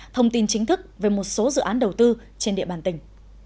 thông tin chính thức về một số dự án đầu tư trên địa bàn tỉnh